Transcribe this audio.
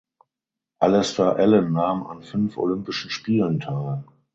Alister Allan nahm an fünf Olympischen Spielen teil.